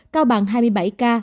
cao bằng hai mươi bảy ca